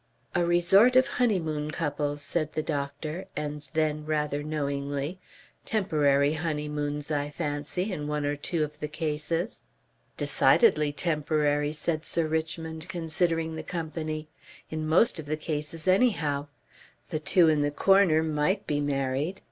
"A resort, of honeymoon couples," said the doctor, and then rather knowingly: "Temporary honeymoons, I fancy, in one or two of the cases." "Decidedly temporary," said Sir Richmond, considering the company "in most of the cases anyhow. The two in the corner might be married.